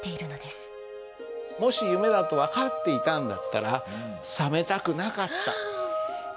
もし夢だと分かっていたんだったら覚めたくなかった。